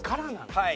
はい。